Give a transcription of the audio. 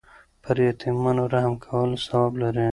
پر یتیمانو رحم کول ثواب لري.